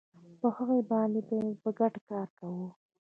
په هغوی باندې به یې په ګډه کار کاوه